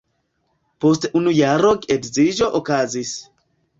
Post unu jaro geedziĝo okazis.